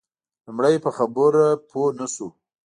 لومړی په خبره پوی نه شو.